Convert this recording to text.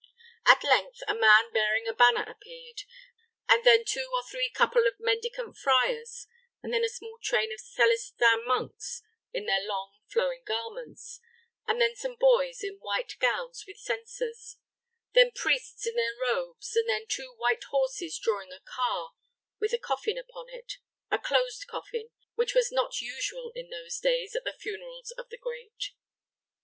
At length a man bearing a banner appeared, and then two or three couple of mendicant friars, and then a small train of Celestin monks in their long, flowing garments, and then some boys in white gowns with censers, then priests in their robes, and then two white horses drawing a car, with a coffin upon it a closed coffin, which was not usual in those days at the funerals of the great.